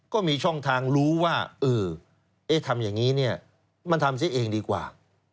ก็มีช่องทางรู้ว่าเออทำอย่างนี้เนี่ยมันทำซิเองดีกว่า